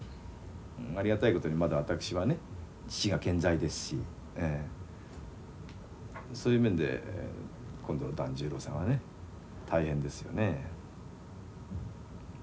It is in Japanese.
ありがたいことにまだ私はね父が健在ですしそういう面で今度團十郎さんはね大変ですよね。